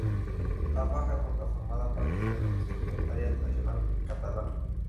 La faja roja formaba parte de la indumentaria tradicional catalana.